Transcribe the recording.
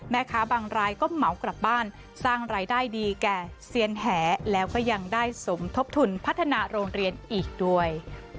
บางรายก็เหมากลับบ้านสร้างรายได้ดีแก่เซียนแหแล้วก็ยังได้สมทบทุนพัฒนาโรงเรียนอีกด้วย